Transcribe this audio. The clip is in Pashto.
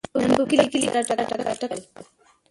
نن په برکلي کې سره ټکاټک شول.